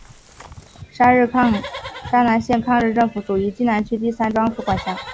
沙南县抗日政府属于冀南区第三专署管辖。